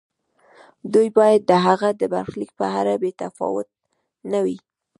دوی باید د هغه د برخلیک په اړه بې تفاوت نه وي.